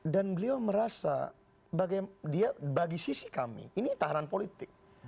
dan beliau merasa bagi sisi kami ini tahanan politik